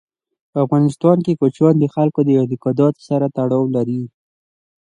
په افغانستان کې کوچیان د خلکو د اعتقاداتو سره تړاو لري.